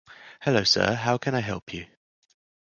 Hello sir, how can I help you?